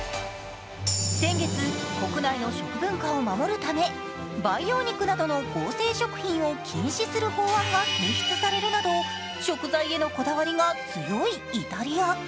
先月、国内の食文化を守るため培養肉などの合成食品を禁止する法案が提出されるなど食材へのこだわりが強いイタリア。